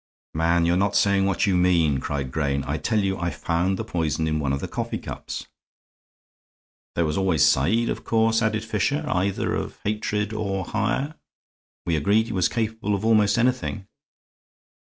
"Man, you're not saying what you mean," cried Grayne. "I tell you I found the poison in one of the coffee cups." "There was always Said, of course," added Fisher, "either for hatred or hire. We agreed he was capable of almost anything."